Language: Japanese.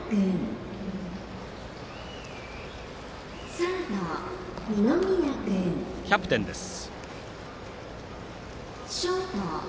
サードの二宮はキャプテンです。